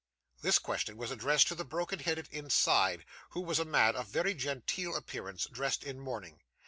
This question was addressed to the broken headed inside, who was a man of very genteel appearance, dressed in mourning.